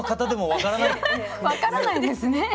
分からないですね。